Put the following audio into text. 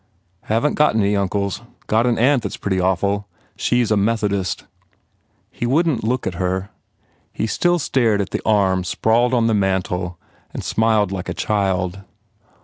"Haven t got any uncles. Got an aunt that s pretty awful. She s a Methodist." He wouldn t look at her. He still stared at the arm sprawled on the mantel and smiled like a child.